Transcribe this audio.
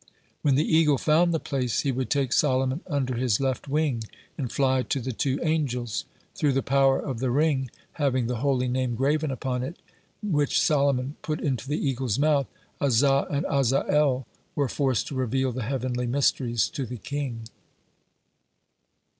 When the eagle found the place, he would take Solomon under his left wing, and fly to the two angels. Through the power of the ring having the Holy Name graven upon it, which Solomon put into the eagle's mouth, 'Azza and 'Azzael were forced to reveal the heavenly mysteries to the king.